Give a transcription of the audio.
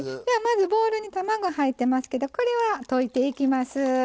ではまずボウルに卵入ってますけどこれは溶いていきます。